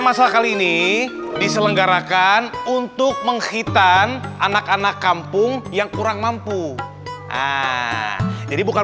masalah kali ini diselenggarakan untuk menghitan anak anak kampung yang kurang mampu jadi bukan